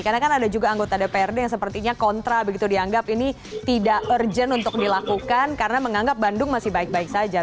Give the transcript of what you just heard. karena kan ada juga anggota dprd yang sepertinya kontra begitu dianggap ini tidak urgent untuk dilakukan karena menganggap bandung masih baik baik saja